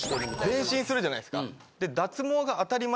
全身するじゃないですか。